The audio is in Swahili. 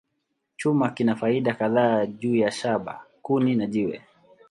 Chuma kina faida kadhaa juu ya shaba, kuni, na jiwe.